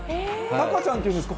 たかちゃんっていうんですか。